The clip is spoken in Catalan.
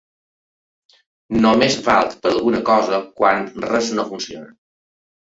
Només valc per alguna cosa quan res no funciona.